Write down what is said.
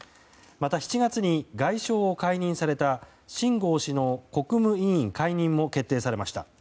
また７月に外相を解任されたシン・ゴウ氏の国務委員解任も決定されました。